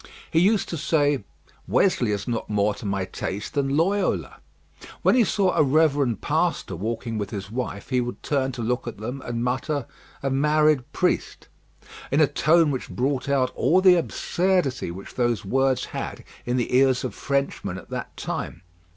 He used to say, "Wesley is not more to my taste than Loyola." When he saw a reverend pastor walking with his wife, he would turn to look at them, and mutter, "a married priest," in a tone which brought out all the absurdity which those words had in the ears of Frenchmen at that time.